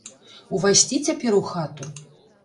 Увайсці цяпер у хату?